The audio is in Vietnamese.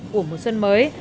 của mùa xuân mới